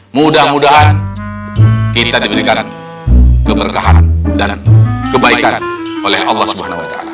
mudah mudahan kita diberikan keberkahan dan kebaikan oleh allah swt